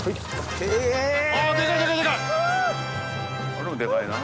これもデカいな。